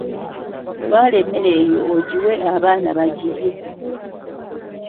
Twala emmere eyo ogiwe abaana bagirye.